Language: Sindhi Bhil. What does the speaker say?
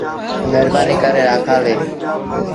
مهربآنيٚٚ ڪري رآکآل ڏي۔